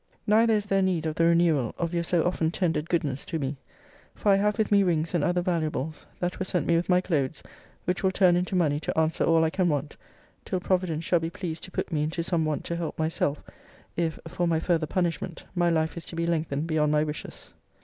Neither is there need of the renewal of your so often tendered goodness to me: for I have with me rings and other valuables, that were sent me with my clothes, which will turn into money to answer all I can want, till Providence shall be pleased to put me into some want to help myself, if, for my further punishment, my life is to be lengthened beyond my wishes.